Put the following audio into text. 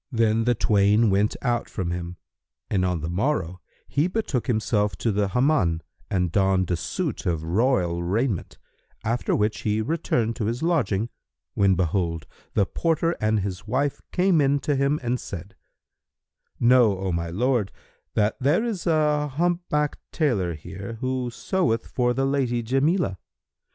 Then the twain went out from him, and on the morrow he betook himself to the Hammam and donned a suit of royal raiment, after which he returned to his lodging, when behold, the porter and his wife came in to him and said, "Know, O my lord, that there is a humpbacked tailor here who seweth for the lady Jamilah.